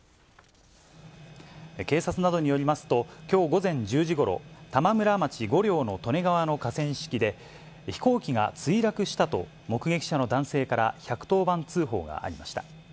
警察などによりますと、きょう午前１０時ごろ、玉村町五料の利根川の河川敷で、飛行機が墜落したと、目撃者の男性から１１０番通報がありました。